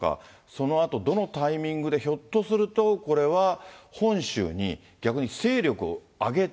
そのあとどのタイミングで、ひょっとするとこれは本州に逆に勢力を上げて。